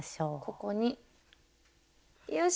ここによし。